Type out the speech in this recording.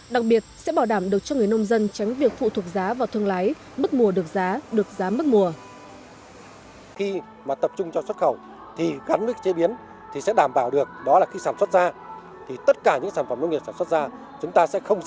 đặc biệt sẽ bảo đảm được cho người nông dân tránh việc phụ thuộc giá vào thương lái mất mùa được giá được giá mất mùa